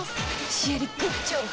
シエリグッジョブ！